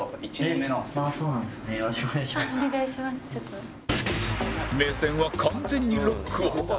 目線は完全にロックオン！